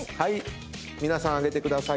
皆さんあげてください。